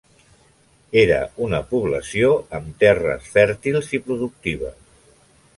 Era una població amb terres fèrtils i productives.